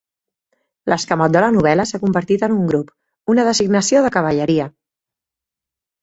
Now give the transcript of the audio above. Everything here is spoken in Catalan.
L'escamot de la novel·la s'ha convertit en un grup, una designació de cavalleria.